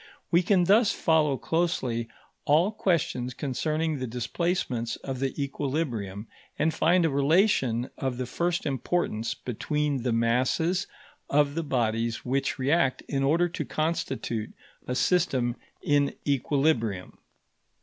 We can thus follow closely all questions concerning the displacements of the equilibrium, and find a relation of the first importance between the masses of the bodies which react in order to constitute a system in equilibrium.